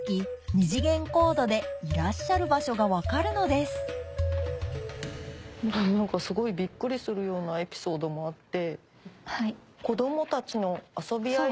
２次元コードでいらっしゃる場所が分かるのですすごいびっくりするようなエピソードもあって。